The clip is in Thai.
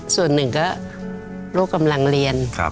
ส่วนหนึ่งก็ลูกกำลังเรียน